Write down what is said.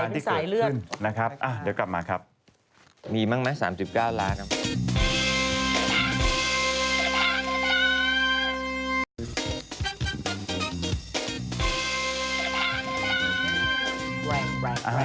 ติดตามที่สายเลือก